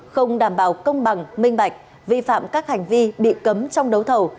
không đảm bảo công bằng minh bạch vi phạm các hành vi bị cấm trong đấu thầu